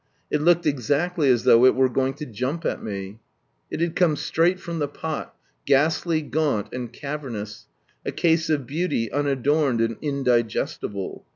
It looked exactly as though it were going to jump at me. It had come straight from the pot, ghastly, gaunt, and cavernous : a case of beauty unadorned and indigestible.